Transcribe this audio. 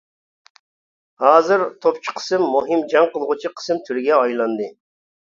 ھازىر، توپچى قىسىم مۇھىم جەڭ قىلغۇچى قىسىم تۈرىگە ئايلاندى.